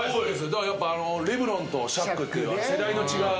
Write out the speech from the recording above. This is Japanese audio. だからやっぱレブロンとシャックっていう世代の違う。